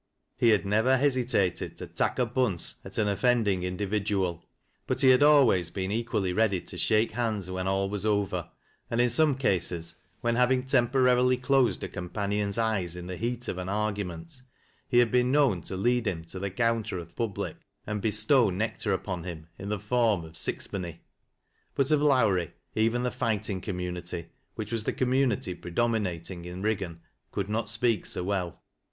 He had never heai tated tc " tak' a punse " at an offending individual, but he had always been equally ready to shake hands when ftll was over, and in some oases, when having temporarilj ol( sed a companion's eyes in tiie heat c f au argument THE WAOBR OP BATTLE. 72 he had been known to lead him tc the counter of " th'Piib lie," and bestow nectar upon him iu the form of " six penny." But of Lowrie, even the fighting community which was the community predominating in Kiggau, could not speak so well.